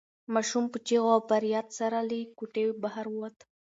ماشوم په چیغو او فریاد سره له کوټې بهر ووت.